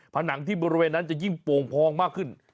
ผนังที่บริเวณนั้นจะยิ่งโป่งพองมากขึ้น